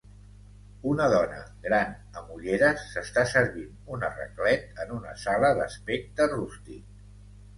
Una dona gran amb ulleres s'està servint una raclet en una sala d'aspecte rústic.